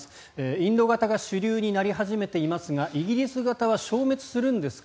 インド型が主流になり始めていますがイギリス型は消滅するんですか。